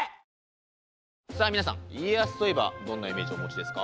さあ皆さん家康といえばどんなイメージをお持ちですか？